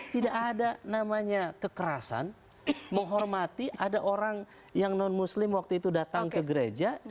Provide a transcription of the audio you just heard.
tidak ada namanya kekerasan menghormati ada orang yang non muslim waktu itu datang ke gereja